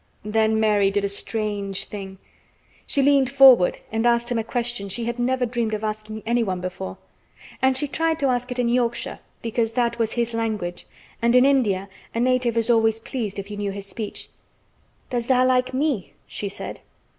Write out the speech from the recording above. Then Mary did a strange thing. She leaned forward and asked him a question she had never dreamed of asking anyone before. And she tried to ask it in Yorkshire because that was his language, and in India a native was always pleased if you knew his speech. "Does tha' like me?" she said.